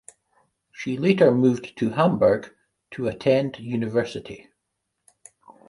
She later moved to Hamburg to attend university.